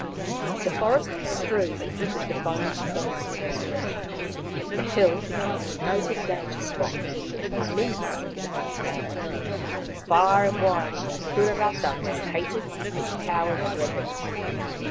The forest was strewn with the bones of those who had perished ; the hill became a noted danger spot, a menace to the country. Far and wide Puarata was hated and his power dreaded.